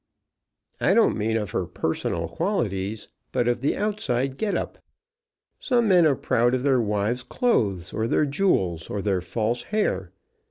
"I don't mean of her personal qualities, but of the outside get up. Some men are proud of their wives' clothes, or their jewels, or their false hair.